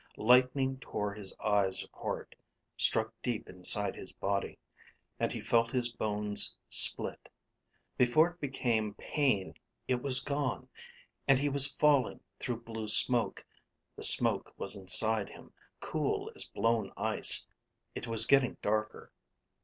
Lightning tore his eyes apart, struck deep inside his body; and he felt his bones split. Before it became pain, it was gone. And he was falling through blue smoke. The smoke was inside him, cool as blown ice. It was getting darker.